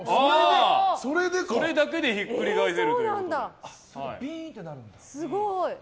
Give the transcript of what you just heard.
それだけで引っくり返せるということで。